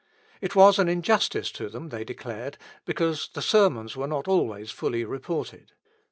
It was an injustice to them, they declared, because the sermons were not always fully reported.